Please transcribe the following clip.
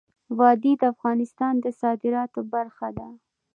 وادي د افغانستان د صادراتو برخه ده.